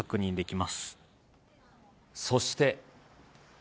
そして。